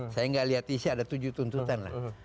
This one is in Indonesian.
saya nggak lihat isi ada tujuh tuntutan lah